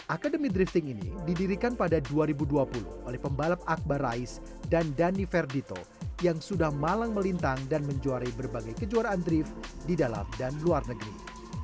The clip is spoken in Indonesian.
akademi drifting ini didirikan pada dua ribu dua puluh oleh pembalap akbar rais dan dhani ferdito yang sudah malang melintang dan menjuari berbagai kejuaraan drift di dalam dan luar negeri